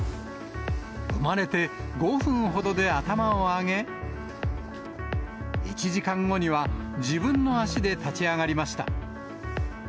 産まれて５分ほどで頭を上げ、１時間後には、自分の足で立ち上がりました。